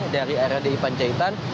dari area di ipan jahitan